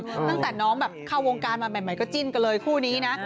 ตั้งแต่น้องแบบเข้าวงการมาใหม่ก็จิ้นกันเลยคู่นี้นะ